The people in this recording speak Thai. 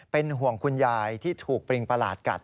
เป็นห่วงคุณยายที่ถูกปริงประหลาดกัด